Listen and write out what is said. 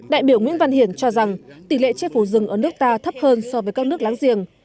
đại biểu nguyễn văn hiển cho rằng tỷ lệ che phủ rừng ở nước ta thấp hơn so với các nước láng giềng